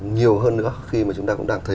nhiều hơn nữa khi mà chúng ta cũng đang thấy